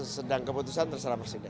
sedang keputusan terserah presiden